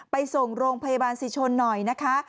ไปส่งโรงพยาบาลสิชนหน่อยนะคะ